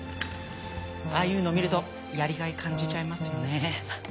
ああいうの見るとやりがい感じちゃいますよね。